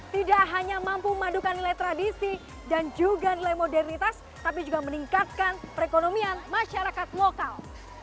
tidak hanya mampu memadukan nilai tradisi dan juga nilai modernitas tapi juga meningkatkan perekonomian masyarakat lokal